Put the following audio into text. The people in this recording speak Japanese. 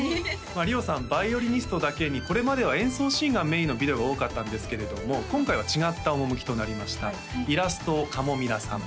ＲｉＯさんバイオリニストだけにこれまでは演奏シーンがメインのビデオが多かったんですけれども今回は違った趣となりましたイラストをかもみらさん